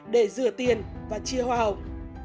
để rửa tiền và chia hoa hồng